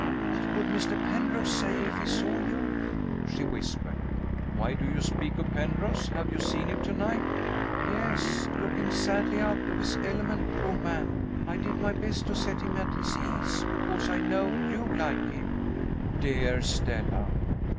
"What would Mr. Penrose say if he saw you?" she whispered. "Why do you speak of Penrose? Have you seen him to night?" "Yes looking sadly out of his element, poor man. I did my best to set him at his ease because I know you like him." "Dear Stella!"